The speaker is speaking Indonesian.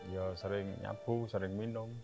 ya sering nyabu sering minum